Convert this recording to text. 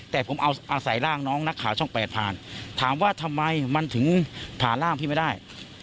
แต่ผมเอาอาศัยร่างน้องนักข่าวช่อง๘ผ่านถามว่าทำไมมันถึงผ่านร่างพี่ไม่ได้